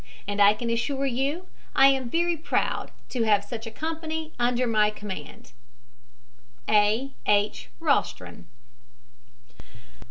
And I can assure you I am very proud to have such a company under my command. "A. H. ROSTRON."